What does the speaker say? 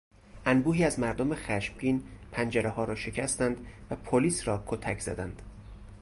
انبوهی از مردم خشمگین پنجرهها را شکستند و پلیس را کتک زدند.